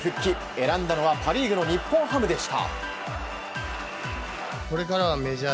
選んだのはパ・リーグの日本ハムでした。